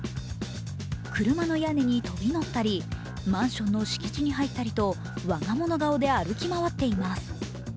車の屋根に飛び乗ったりマンションの敷地に入ったりと我が物顔で歩き回っています。